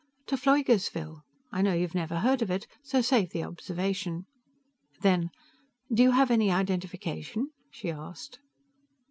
"To Pfleugersville. I know you've never heard of it, so save the observation." Then, "Do you have any identification?" she asked.